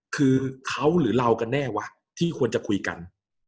คือเขาหรือเรากันแน่วะที่ควรจะคุยกัน